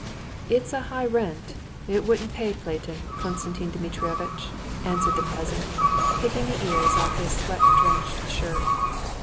"It's a high rent; it wouldn't pay Platon, Konstantin Dmitrievitch," answered the peasant, picking the ears off his sweat drenched shirt.